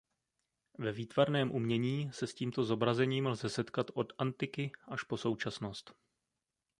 Ve výtvarném umění se s tímto zobrazením lze setkat od antiky až po současnost.